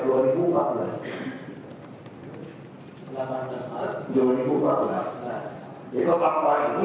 jadi kalau apa ini